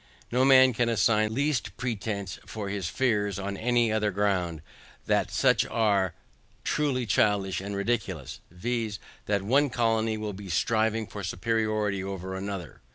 No man can assign the least pretence for his fears, on any other grounds, that such as are truly childish and ridiculous, viz. that one colony will be striving for superiority over another.